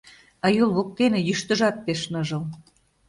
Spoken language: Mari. А Юл воктене Йӱштыжат пеш ныжыл.